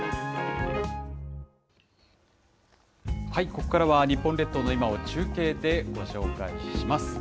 ここからは日本列島の今を、中継でご紹介します。